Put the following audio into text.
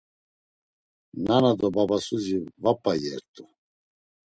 Nana do babasuzi va p̌a iyert̆u.